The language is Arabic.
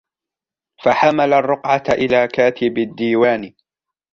فَحَمَلَ الرُّقْعَةَ إلَى كَاتِبِ الدِّيوَانِ